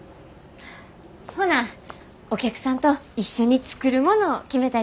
ほなお客さんと一緒に作るものを決めたいと思います。